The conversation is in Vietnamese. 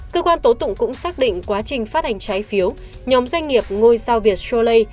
cơ quan tố tụng cũng xác định quá trình phát hành trái phiếu nhóm doanh nghiệp ngôi sao việt sholai